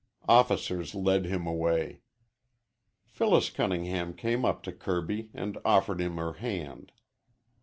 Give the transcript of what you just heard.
Officers led him away. Phyllis Cunningham came up to Kirby and offered him her hand.